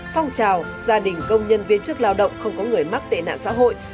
phong trào gia đình công nhân viên chức lao động không có người mắc tệ nạn xã hội